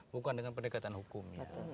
bukan dengan pendekatan hukum